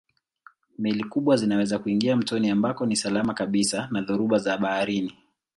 Meli kubwa zinaweza kuingia mtoni ambako ni salama kabisa na dhoruba za baharini.